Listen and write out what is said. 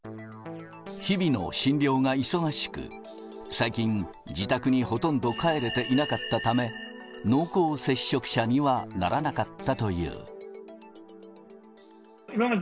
日々の診療が忙しく、最近、自宅にほとんど帰れていなかったため、濃厚接触者にはならなかっ